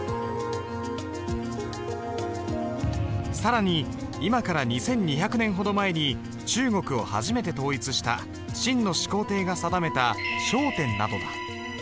更に今から２，２００年ほど前に中国を初めて統一した秦の始皇帝が定めた小篆などだ。